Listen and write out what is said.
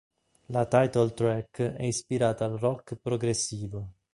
La title track è ispirata al rock progressivo.